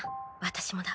私もだ。